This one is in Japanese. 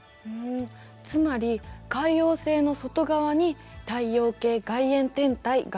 つまり海王星の外側に太陽系外縁天体があるのね。